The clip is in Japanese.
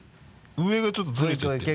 上がちょっとズレちゃってる。